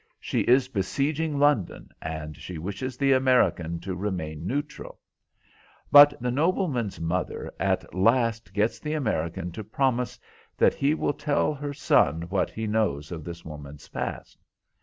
She is besieging London, and she wishes the American to remain neutral. But the nobleman's mother at last gets the American to promise that he will tell her son what he knows of this woman's past.